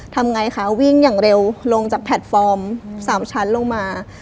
ทำไงคะวิ่งอย่างเร็วลงจากแพลตฟอร์ม๓ชั้นลงมา